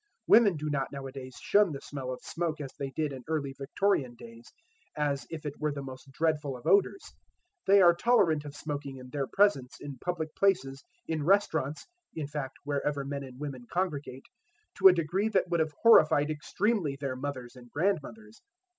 Women do not nowadays shun the smell of smoke as they did in early Victorian days, as if it were the most dreadful of odours. They are tolerant of smoking in their presence, in public places, in restaurants in fact, wherever men and women congregate to a degree that would have horrified extremely their mothers and grandmothers.